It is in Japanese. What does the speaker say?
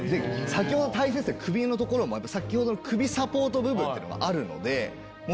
先ほど首のところもやっぱ先ほどの首サポート部分っていうのがあるので。